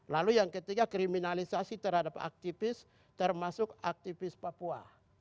lalu yang ketiga kriminalisasi terhadap aktivis termasuk aktivis papua